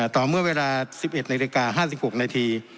ต่อเมื่อเวลา๑๑นาฬิกา๕๖นาที